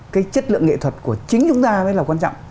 cái chất lượng nghệ thuật của chính chúng ta mới là quan trọng